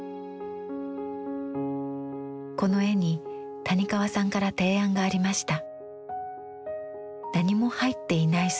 この絵に谷川さんから提案がありました。